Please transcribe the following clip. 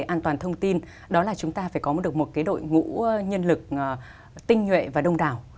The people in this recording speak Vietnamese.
an toàn thông tin đó là chúng ta phải có được một đội ngũ nhân lực tinh nhuệ và đông đảo